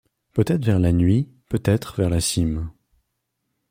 Peut-être vers la nuit, peut-être vers la cime